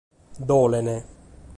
Dolent.